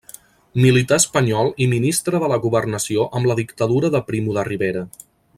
Militar espanyol i Ministre de la Governació amb la Dictadura de Primo de Rivera.